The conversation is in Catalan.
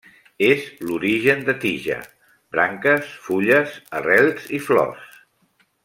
És l'origen de tija, branques, fulles, arrels i flors.